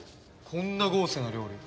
こんな豪勢な料理を。